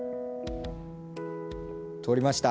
通りました。